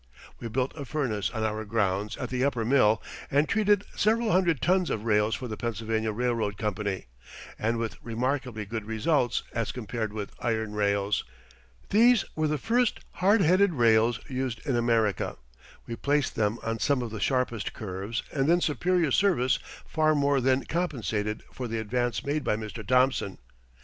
We built a furnace on our grounds at the upper mill and treated several hundred tons of rails for the Pennsylvania Railroad Company and with remarkably good results as compared with iron rails. These were the first hard headed rails used in America. We placed them on some of the sharpest curves and their superior service far more than compensated for the advance made by Mr. Thomson.